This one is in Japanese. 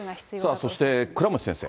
そして倉持先生。